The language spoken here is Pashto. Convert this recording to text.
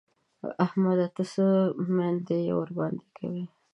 احمده! ته څه مينده يي ورباندې کوې؟!